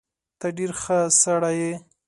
ته ډیر ښه سړی یې